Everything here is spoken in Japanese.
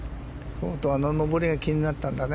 相当上りが気になったんだね。